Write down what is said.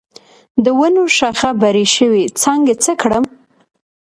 د ونو شاخه بري شوي څانګې څه کړم؟